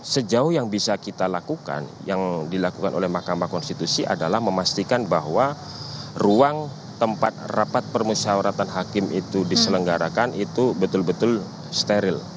sejauh yang bisa kita lakukan yang dilakukan oleh mahkamah konstitusi adalah memastikan bahwa ruang tempat rapat permusyawaratan hakim itu diselenggarakan itu betul betul steril